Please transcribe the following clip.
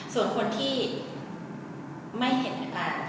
ส่วนคนที่ไม่เห็นอัน